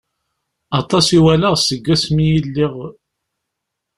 Aṭas i walaɣ seg wasmi i lliɣ...